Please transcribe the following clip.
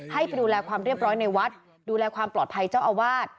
ให้ไปดูแลความเรียบร้อยในวัดดูแลความปลอดภัยเจ้าอาวาส